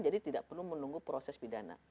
jadi tidak perlu menunggu proses pidana